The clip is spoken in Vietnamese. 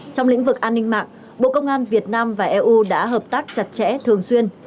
trong lĩnh vực an ninh mạng bộ công an việt nam và eu đã hợp tác chặt chẽ thường xuyên